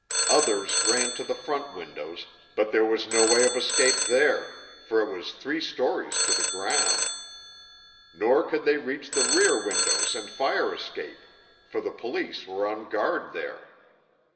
Others ran to the front windows, but there was no way of escape there, for it was three stories to the ground; nor could they reach the rear windows and fire escape, for the police were on guard there.